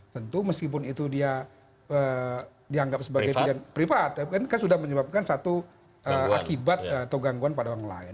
tentu meskipun itu dia dianggap sebagai pilihan privat ini kan sudah menyebabkan satu akibat atau gangguan pada orang lain